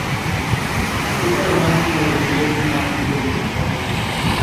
Es además una de las iglesias más antiguas de Costa Rica.